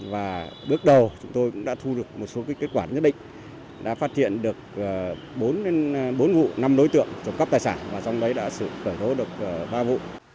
và bước đầu chúng tôi cũng đã thu được một số kết quả nhất định đã phát hiện được bốn vụ năm đối tượng trộm cắp tài sản và trong đấy đã sử dụng tẩy thối được ba vụ